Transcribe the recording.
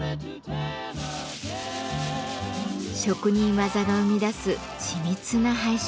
職人技が生み出す緻密な配色。